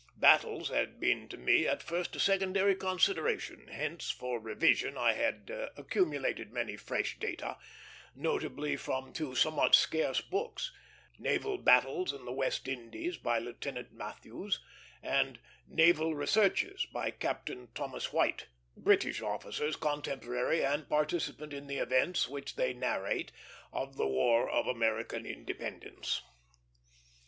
Battles had been to me at first a secondary consideration; hence for revision I had accumulated many fresh data, notably from two somewhat scarce books: Naval Battles in the West Indies, by Lieutenant Matthews, and Naval Researches, by Captain Thomas White, British officers contemporary and participant in the events which they narrate of the War of American Independence.